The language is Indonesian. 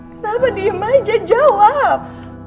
kenapa diam aja jawab